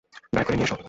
Drive করে নিয়ে এসো।